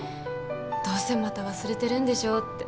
どうせまた忘れてるんでしょって。